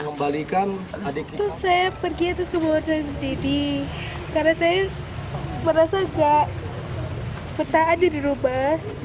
tentu saya pergi ke rumah sendiri karena saya merasa gak ketaan diri rumah